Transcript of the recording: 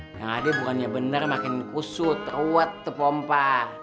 yang ada bukannya bener makin kusut ruwet terpompa